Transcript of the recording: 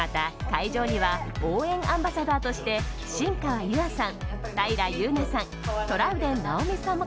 会場には応援アンバサダーとして新川優愛さん、平祐奈さん